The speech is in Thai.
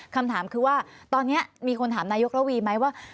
คำถามคือว่าตอนนี้มีคนถามนายกระวีไหมว่า